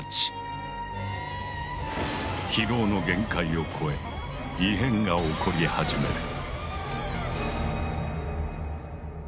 疲労の限界を超え異変が起こリ始める。